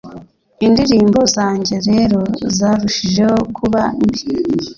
indirimbo zanjye rero zarushijeho kuba mbi